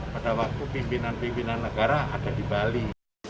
pada waktu pimpinan pimpinan negara ada di bali